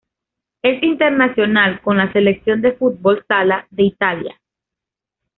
Es internacional con la Selección de fútbol sala de Italia.